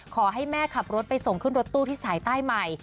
ขอให้แม่ขับรถไปส่งขึ้นรถตู้ที่สายใต้ใหม่